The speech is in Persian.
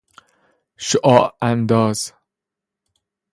شعاع انداز